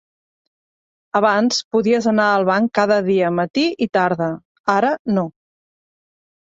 Abans podies anar al banc cada dia matí i tarda; ara no.